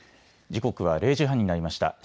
時刻は０時半になりました。